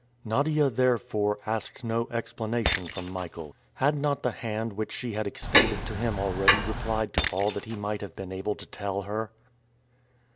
Nadia, therefore, asked no explanation from Michael. Had not the hand which she had extended to him already replied to all that he might have been able to tell her?